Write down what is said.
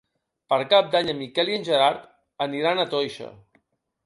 Per Cap d'Any en Miquel i en Gerard aniran a Toixa.